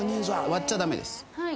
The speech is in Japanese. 割っちゃ駄目です。